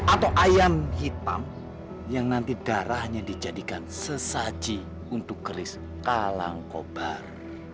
atau ayam hitam yang nanti darahnya dijadikan sesaji untuk kris kelangkobar